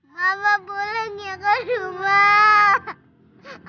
mama pulang ya ke rumah